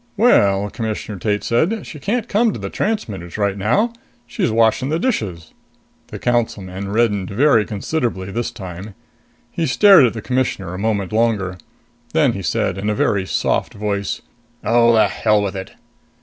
"Well," Commissioner Tate said, "she can't come to the transmitters right now. She's washing the dishes." The Councilman reddened very considerably this time. He stared at the Commissioner a moment longer. Then he said in a very soft voice, "Oh, the hell with it!"